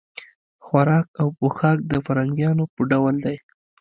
خوراک او پوښاک د فرنګیانو په ډول دی.